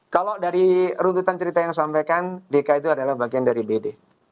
kalau dari runtutan cerita yang disampaikan dki itu adalah bagian dari bd